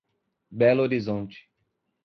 Belo Horizonte